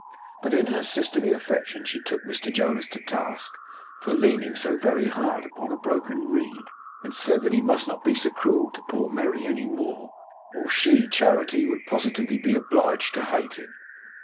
But in her sisterly affection she took Mr Jonas to task for leaning so very hard upon a broken reed, and said that he must not be so cruel to poor Merry any more, or she (Charity) would positively be obliged to hate him.